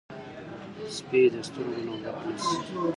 سپي د سترګو نه ورک نه شي.